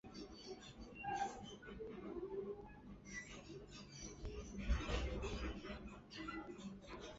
文苑楼前的草坪上静静矗立着一座代表二战时期千千万万“慰安妇”制度受害者的中韩“慰安妇”和平少女像